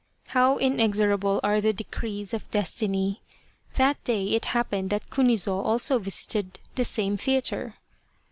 How inexorable are the decrees of Destiny ! That day it happened that Kunizo also visited the same theatre.